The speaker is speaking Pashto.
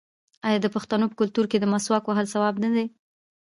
آیا د پښتنو په کلتور کې د مسواک وهل ثواب نه دی؟